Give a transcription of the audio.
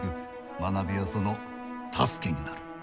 学びはその助けになる。